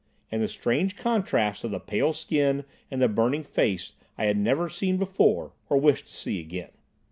And the strange contrast of the pale skin and the burning face I had never seen before, or wish to see again.